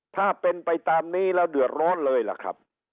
ถ้าเป็นไปตามนี้แล้วเดือดร้อนเลยล่ะครับ